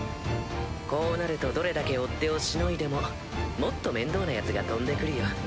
こうなるとどれだけ追手をしのいでももっと面倒なヤツが飛んでくるよ。